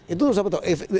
itu harus betul